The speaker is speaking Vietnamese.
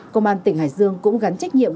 công an tỉnh hải dương cũng gắn trách nhiệm